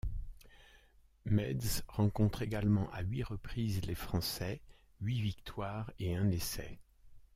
Meads rencontre également à huit reprises les Français, huit victoires et un essai.